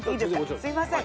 すいません。